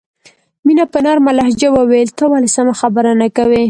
مینه په نرمه لهجه وویل ته ولې سمه خبره نه کوې